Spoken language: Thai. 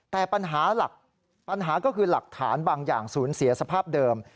แต่ปัญหาหลักปัญหาก็คือหลักฐานบางอย่างศูนย์เสียสภาพเดิม